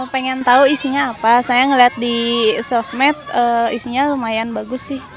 pengen tahu isinya apa saya ngeliat di sosmed isinya lumayan bagus sih